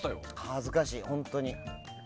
恥ずかしい本当に。